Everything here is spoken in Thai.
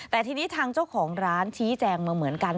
แต่ทีนี้ทางเจ้าของร้านชี้แจงมาเหมือนกัน